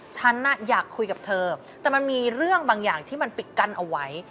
ฉันอยากคุยกับเธอแต่มันมีเรื่องบางอย่างที่มันปิดกั้นเอาไว้